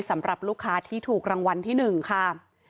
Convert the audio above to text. สำหรับลูกค้าที่ถูกรางวัลที่๑ค่ะ